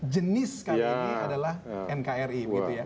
jenis kali ini adalah nkri